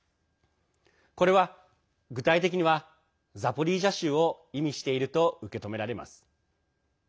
これは具体的にはザポリージャ州を意味していると受け止められます。